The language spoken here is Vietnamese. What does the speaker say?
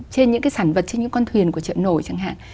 trên những cái sản vật trên những con thuyền của chợ nổi chẳng hạn